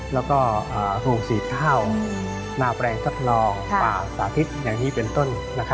แล้วก็โรงสีข้าวหน้าแปลงทัดลองป่าสาธิตอย่างนี้เป็นต้น